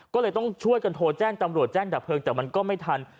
ก็เลยต้องช่วยกันโทรแจ้งตำรวจแจ้งดับเพลิงแต่มันก็ไม่ทัน